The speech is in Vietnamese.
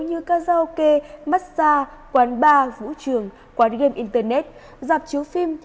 như ca giao kê massage quán bar vũ trường quán game internet dạp chiếu phim